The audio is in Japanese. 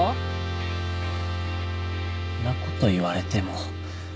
んなこと言われても。